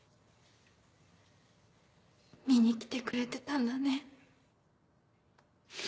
見に来てくれてたんだね。